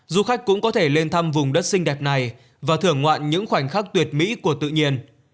du khách cũng có thể lên thăm vùng đất xinh đẹp này và thưởng ngoạn những khoảnh khắc tuyệt mỹ của tự nhiên